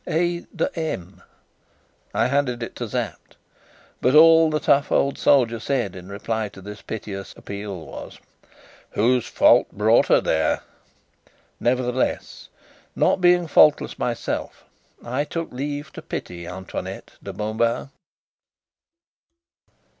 A. de M. I handed it to Sapt; but all that the tough old soul said in reply to this piteous appeal was: "Whose fault brought her there?" Nevertheless, not being faultless myself, I took leave to pity Antoinette de Mauban.